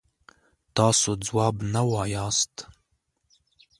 تاسو ځواب نه وایاست.